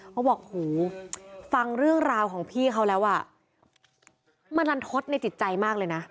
เขาบอกหูฟังเรื่องราวของพี่เขาแล้วอ่ะมันลันทดในจิตใจมากเลยนะ